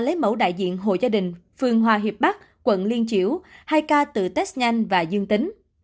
hai ca lấy mẫu đại diện hội gia đình phường hòa hiệp bắc quận liên chiểu hai ca tự test nhanh và duyên tính